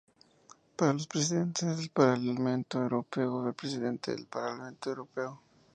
Para los presidentes del Parlamento Europeo, ver Presidente del Parlamento Europeo.